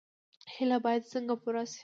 هیلې باید څنګه پوره شي؟